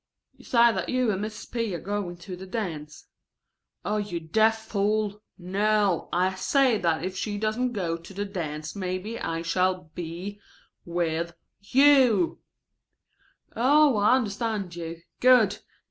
("You say that you and Mrs. P. are going to the dance.") "Oh, you deaf fool! No! I say that if she doesn't go to the dance maybe I shall be with you." ("Oh, I understand you. Good.